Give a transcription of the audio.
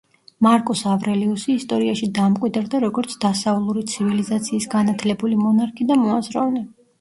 მარკუს ავრელიუსი ისტორიაში დამკვიდრდა, როგორც დასავლური ცივილიზაციის განათლებული მონარქი და მოაზროვნე.